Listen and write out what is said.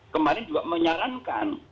kemarin juga menyarankan